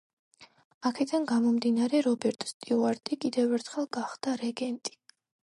აქედან გამომდინარე, რობერტ სტიუარტი კიდევ ერთხელ გახდა რეგენტი.